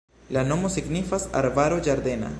La nomo signifas arbaro-ĝardena.